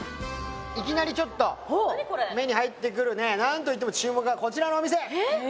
いきなりちょっと目に入ってくるね何といっても注目はこちらのお店えっ？